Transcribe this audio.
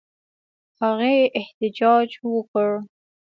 هغې احتجاج وکړ.